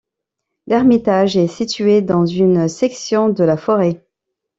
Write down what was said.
L'Hermitage est situé dans une section de la forêt.